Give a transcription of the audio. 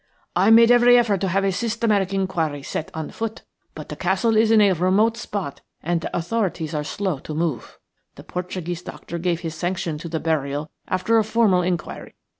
I made every effort to have a systematic inquiry set on foot, but the castle is in a remote spot and the authorities are slow to move. The Portuguese doctor gave his sanction to the burial after a formal inquiry.